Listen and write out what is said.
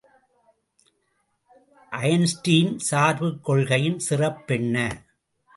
Einstein சார்புக் கொள்கையின் சிறப்பென்ன?